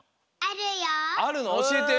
おしえて！